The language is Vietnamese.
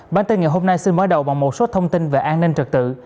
bản tin ngày hôm nay xin mở đầu bằng một số thông tin về an ninh trật tự